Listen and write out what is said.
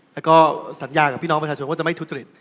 แล้วก็สัญญากับพี่น้องประชาชนว่าจะไม่ทุจริต